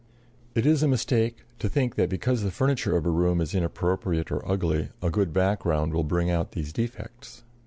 It is a mistake to think that because the furniture of a room is inappropriate or ugly a good background will bring out these defects.